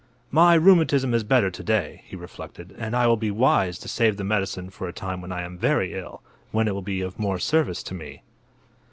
"My rheumatism is better to day," he reflected, "and I will be wise to save the medicine for a time when I am very ill, when it will be of more service to me."